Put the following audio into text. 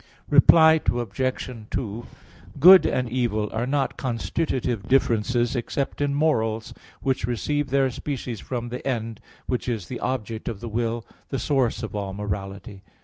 Reply Obj. 2: Good and evil are not constitutive differences except in morals, which receive their species from the end, which is the object of the will, the source of all morality.